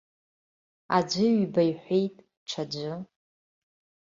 Аӡәы ҩба иҳәеит, ҽаӡәы.